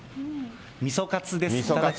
みそカツです。